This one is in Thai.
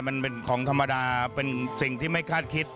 มันเป็นของธรรมดาเป็นสิ่งที่ไม่คาดคิด